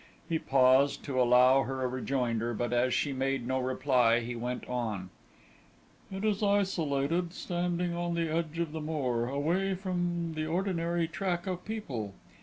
He paused, to allow her a rejoinder, but as she made no reply, he went on: "It is isolated, standing on the edge of the moor, away from the ordinary track of people.